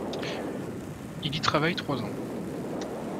Il y travaille trois ans.